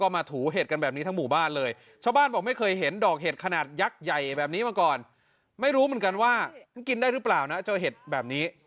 ไม่รู้เหมือนกันว่ากินได้หรือเปล่านะเจ้าเห็ดแบบนี้